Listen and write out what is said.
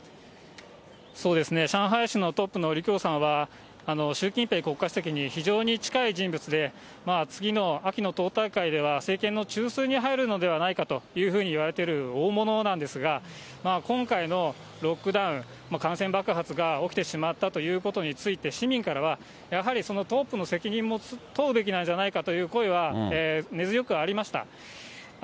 上海市のトップの李強さんは、習近平国家主席に非常に近い人物で、次の秋の党大会では、政権の中枢に入るのではないかというふうにいわれている大物なんですが、今回のロックダウン、感染爆発が起きてしまったということについて、市民からは、やはりそのトップの責任も問うべきなんじゃないかという声は根強くありました。